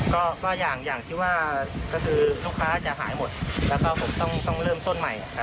ก็อย่างที่ว่าก็คือลูกค้าจะหายหมดแล้วก็ผมต้องเริ่มต้นใหม่